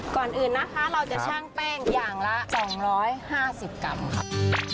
ก่อนอื่นนะคะเราจะชั่งแป้งอย่างละ๒๕๐กรัมค่ะ